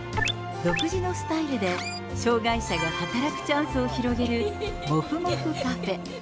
独自のスタイルで、障害者が働くチャンスを広げるもふもふカフェ。